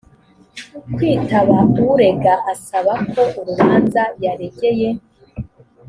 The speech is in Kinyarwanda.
kwitaba urega asaba ko urubanza yaregeye